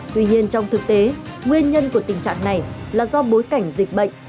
tuy nhiên trong thực tế nguyên nhân của tình trạng này là do bối cảnh dịch bệnh